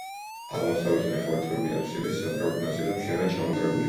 აღმოსავლეთი ნახევარწრიული აბსიდის ცენტრალური ნაწილი მთლიანად ჩამონგრეულია.